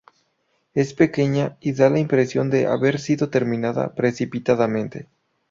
Es pequeña y da la impresión de haber sido terminada precipitadamente.